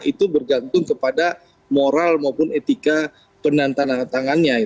itu bergantung kepada moral maupun etika penantangannya